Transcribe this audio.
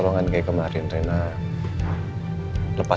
bonekanya di rumah aja ya